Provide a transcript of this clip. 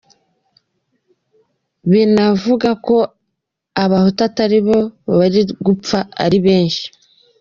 Binavuga ko, abahutu ataribo bari gupfa ari benshi.